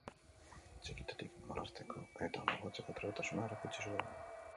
Txikitatik marrazteko eta margotzeko trebetasuna erakutsi zuen.